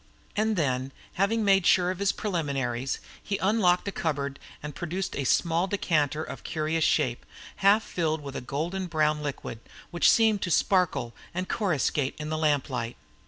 And then, having made sure of his preliminaries, he unlocked a cupboard and produced a small decanter of curious shape, half filled with a golden brown liquid, which seemed to sparkle and coruscate in the lamplight.